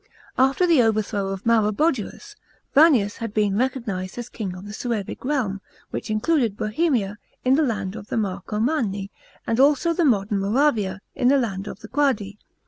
After the overthrow of Maroboduus, Vannius had been recognised as king of the Suevic realm, which included Bohemia, the land of the Marcomanni, and also the modern Moravia, the land of the Quadi.